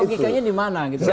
tapi logikanya dimana gitu